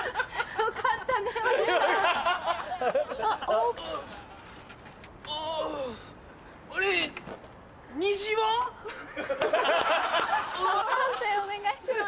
判定お願いします。